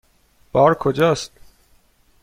بار کجاست؟